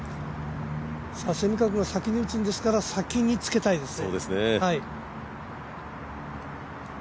蝉川君は先に打つんですから先につけたいですね。